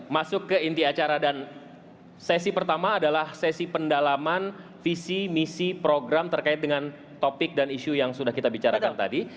masuk ke inti acara dan sesi pertama adalah sesi pendalaman visi misi program terkait dengan topik dan isu yang sudah kita bicarakan tadi